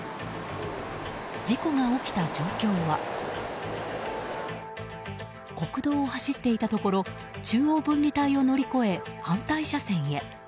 事故が起きた状況は国道を走っていたところ中央分離帯を乗り越え反対車線へ。